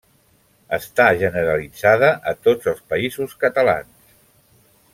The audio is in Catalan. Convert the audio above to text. Està generalitzada a tots els Països Catalans.